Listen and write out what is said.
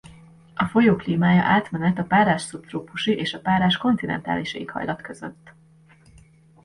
A folyó klímája átmenet a párás szubtrópusi és a párás kontinentális éghajlat között.